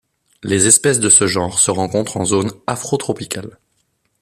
Les espèces de ce genre se rencontrent en zone afrotropicale.